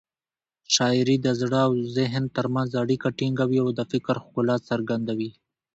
شاعري د زړه او ذهن تر منځ اړیکه ټینګوي او د فکر ښکلا څرګندوي.